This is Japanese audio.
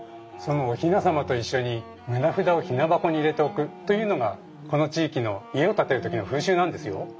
そのおひなさまと一緒に棟札をひな箱に入れておくというのがこの地域の家を建てる時の風習なんですよ。